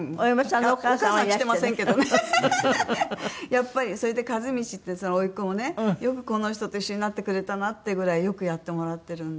やっぱりそれで一路って甥っ子もねよくこの人と一緒になってくれたなっていうぐらいよくやってもらってるんで。